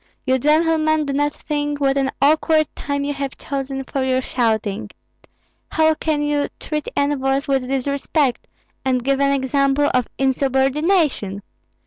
You gentlemen do not think what an awkward time you have chosen for your shouting. How can you treat envoys with disrespect, and give an example of insubordination?